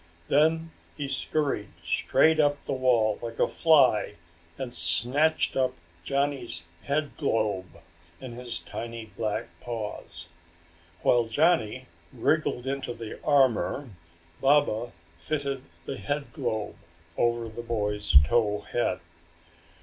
Then he scurried straight up the wall like a fly and snatched up Johnny's headglobe in his tiny black paws. While Johnny wriggled into the armor Baba fitted the headglobe over the boy's tow head.